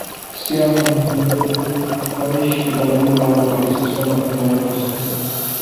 سیاح کو ہندودش کے بلند و بالا پہاڑی سلسوں کا بھی نظارہ کر سکتے ہیں ۔